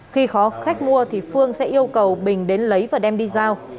khi khó khách mua thì phương sẽ yêu cầu bình đến lấy và đem đi giao